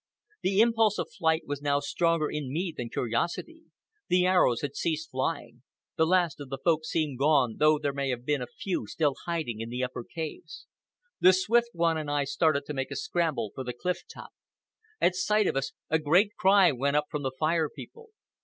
The impulse of flight was now stronger in me than curiosity. The arrows had ceased flying. The last of the Folk seemed gone, though there may have been a few still hiding in the upper caves. The Swift One and I started to make a scramble for the cliff top. At sight of us a great cry went up from the Fire People.